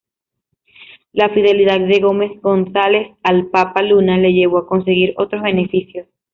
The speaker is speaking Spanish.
La fidelidad de Gómez González al Papa Luna le llevó a conseguir otros beneficios.